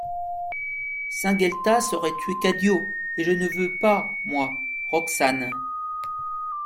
Saint-Gueltas aurait tué Cadio, et je ne veux pas, moi ! ROXANE.